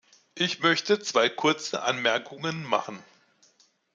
Ich möchte zwei kurze Anmerkungen machen.